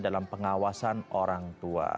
dalam pengawasan orang tua